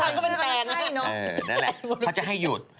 นั่นแหละเขาจะให้หยุด